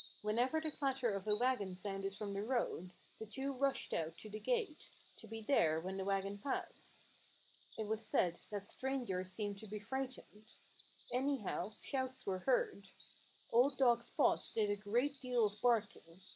Whenever the clatter of a wagon sounded from the road, the two rushed out to the gate, to be there when the wagon passed. It was said that strangers seemed to be frightened. Anyhow, shouts were heard. Old dog Spot did a great deal of barking.